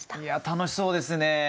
楽しそうですね。